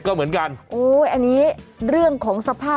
โอ้โฮ